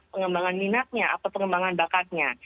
pengembangan minatnya atau pengembangan bakatnya